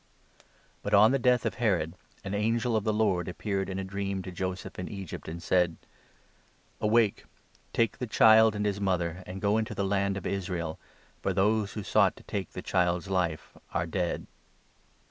But, on the death of Herod, an angel of the Lord appeared 19 in a dream to Joseph in Egypt, and said : "Awake, take the child and his mother, and go into the 20 Land of Israel, for those who sought to take the child's life are dead."